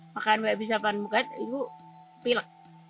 makan banyak banyak bahan bahan itu pilak